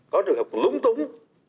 có trường hợp lúng túng